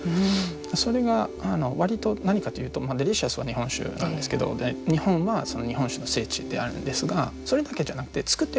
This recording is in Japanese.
それが割と何かというとデリシャスは日本酒なんですけど日本は日本酒の聖地ではあるんですがそれだけじゃなくて造ってる人